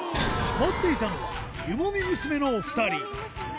待っていたのは、湯もみ娘のお２人。